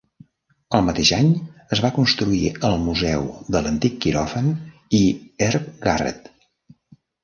El mateix any es va construir el Museu de l'Antic Quiròfan i Herb Garret.